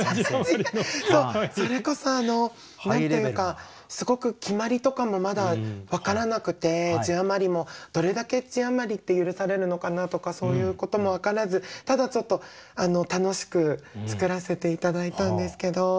それこそ何て言うかすごく決まりとかもまだ分からなくて字余りもどれだけ字余りって許されるのかなとかそういうことも分からずただちょっと楽しく作らせて頂いたんですけど。